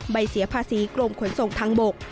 เสียภาษีกรมขนส่งทางบก